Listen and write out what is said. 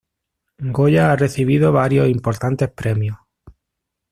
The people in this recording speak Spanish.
Goya ha recibido varios importantes premios.